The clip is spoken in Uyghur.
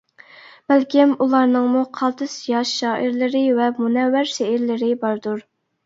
بەلكىم ئۇلارنىڭمۇ قالتىس ياش شائىرلىرى ۋە مۇنەۋۋەر شېئىرلىرى باردۇر.